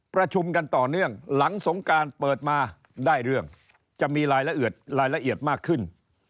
ประชุมกันต่อเนื่องหลังสงการเปิดมาได้เรื่องจะมีรายละเอียดรายละเอียดมากขึ้น